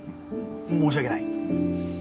申し訳ない。